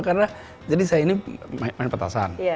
karena jadi saya ini main petasan